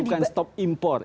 ini bukan stop impor